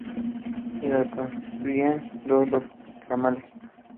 Y la constituyen dos ramales.